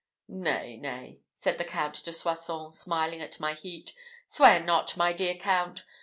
"Nay, nay," said the Count de Soissons, smiling at my heat, "swear not, my dear count!